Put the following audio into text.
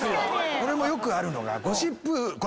俺もよくあるのが。